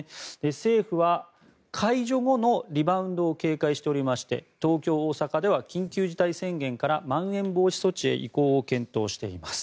政府は、解除後のリバウンドを警戒しておりまして東京、大阪では緊急事態宣言からまん延防止措置へ移行を検討しています。